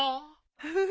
フフフ。